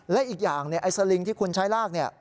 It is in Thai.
และอีกอย่างไอ้สลิงที่คุณใช้ลากเนี่ย